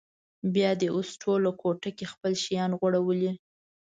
بیا دې اوس ټوله کوټه کې خپل شیان غوړولي.